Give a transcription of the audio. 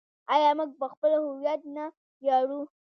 آیا موږ په خپل هویت نه ویاړو؟